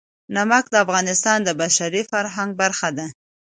نمک د افغانستان د بشري فرهنګ برخه ده.